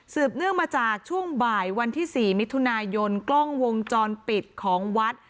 เนื่องมาจากช่วงบ่ายวันที่๔มิถุนายนกล้องวงจรปิดของวัด